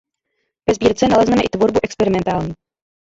Ve sbírce nalezneme i tvorbu experimentální.